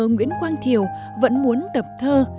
nguyễn quang thiều vẫn muốn tập thơ